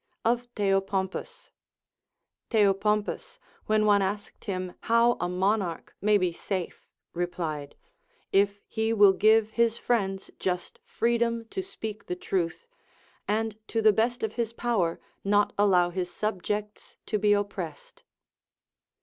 Of Theopompiis. Theopompus, when one asked him how a monarch may be safe, replied, If he will give his friends just freedom to speak LACONIC APOPHTHEGMS. 411 the truth, and to the best of his power not allow his sub jects to be oppressed.